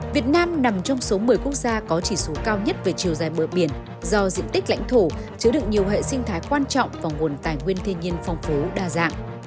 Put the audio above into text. việt nam nằm trong số một mươi quốc gia có chỉ số cao nhất về chiều dài bờ biển do diện tích lãnh thổ chứa được nhiều hệ sinh thái quan trọng và nguồn tài nguyên thiên nhiên phong phú đa dạng